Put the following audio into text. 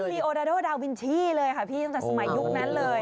มีโอดาโดดาวินชี่เลยค่ะพี่ตั้งแต่สมัยยุคนั้นเลย